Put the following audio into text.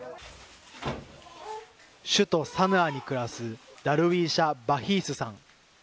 首都サヌアに暮らすダルウィーシャ・バヒースさん。